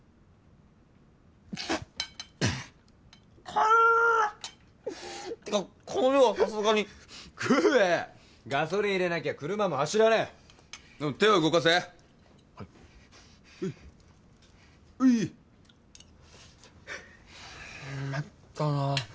辛ってかこの量はさすがに食えガソリン入れなきゃ車も走らねえでも手は動かせはいういういまいったな